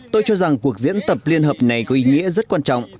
tôi cho rằng cuộc diễn tập liên hợp này có ý nghĩa rất quan trọng